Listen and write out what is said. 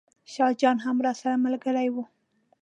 شاه جان هم راسره ملګری و.